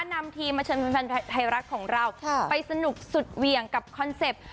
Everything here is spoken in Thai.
นำทีมมาเชิญแฟนไทยรัฐของเราไปสนุกสุดเหวี่ยงกับคอนเซ็ปต์